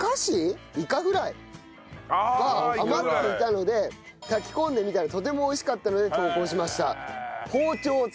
イカフライが余っていたので炊き込んでみたらとても美味しかったので投稿しました。